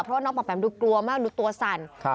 เพราะว่าน้องปอบแปมดูกลัวมากดูตัวสั่น